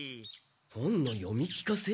本の読み聞かせ？